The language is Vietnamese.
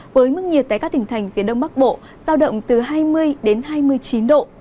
với mức nhiệt tại các tỉnh thành phía đông bắc bộ giao động từ hai mươi đến hai mươi chín độ